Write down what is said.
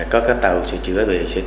có các tàu sửa chữa về trên trước